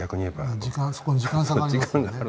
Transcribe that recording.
そこに時間差がありますよね。